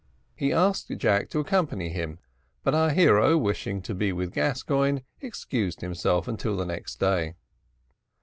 He asked Jack to accompany him, but our hero, wishing to be with Gascoigne, excused himself until the next day.